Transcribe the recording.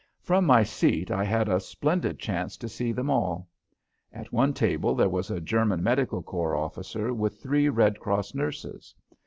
From my seat I had a splendid chance to see them all. At one table there was a German medical corps officer with three Red Cross nurses.